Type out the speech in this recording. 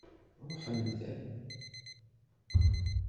Ṛuḥent-am.